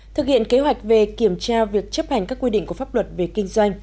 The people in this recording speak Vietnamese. thực hiện kế hoạch về kiểm tra việc chấp hành các quy định của pháp luật về kinh doanh